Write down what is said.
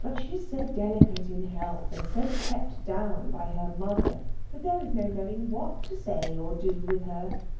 she is so delicate in health, and so kept down by her mother, that there is no knowing what to say or do with her.